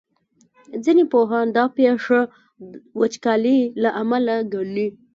ځینې پوهان دا پېښه وچکالۍ له امله ګڼي.